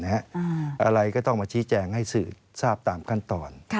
อะไรก็ต้องมาชี้แจงให้สื่อทราบตามขั้นตอน